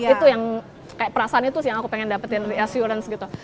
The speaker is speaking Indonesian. itu yang kayak perasaan itu sih yang aku pengen dapetin re assurance gitu